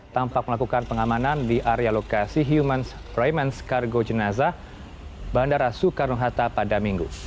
tampak melakukan pengamanan di area lokasi humans premans kargo jenazah bandara soekarno hatta pada minggu